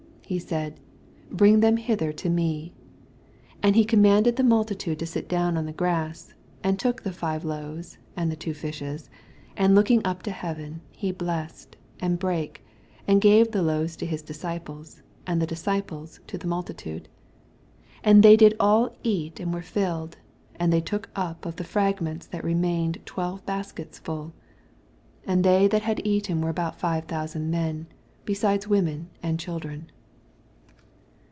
18 He said, Bring them hither to me. 19 And he commanded the molti tiid« to ait down on the grass, and took the five loaves, and the two fishei| and looking up to heaven, he blessed, and brake, and gave the loaves to Mt disciples, and the disciples to tho multitude. 20 And they did all eat, and were filled : and they took up of the frag ments that remained twelve baskets full. 21 And they that had eaten were about five thousand men, beside wo men and children.